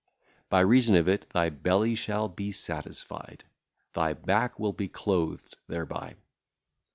By reason of it thy belly shall be satisfied; thy back will be clothed thereby.